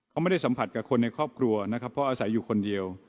เขาไม่ได้สัมผัสกับคนในครอบครัวนะครับเพราะอาศัยอยู่คนเดียว